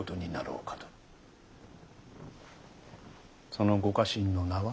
そのご家臣の名は？